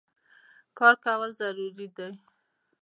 کار کول ضروري دی.